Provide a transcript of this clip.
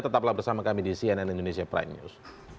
tetaplah bersama kami di cnn indonesia prime news